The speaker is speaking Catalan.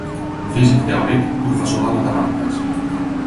Físic teòric, professor de matemàtiques.